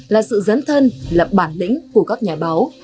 là sự dấn thân là bản lĩnh của các nhà báo